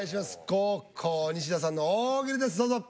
後攻西田さんの大喜利ですどうぞ。